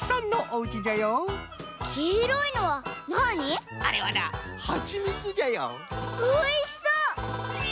おいしそう！